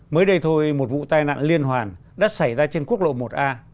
mới đây thôi một vụ tai nạn liên hoàn đã xảy ra trên quốc lộ một a